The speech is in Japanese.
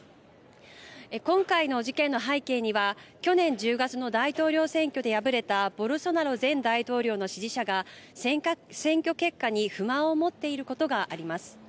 今回の事件の背景には去年１０月の大統領選挙で敗れたボルソナロ前大統領の支持者が選挙結果に不満を持っていることがあります。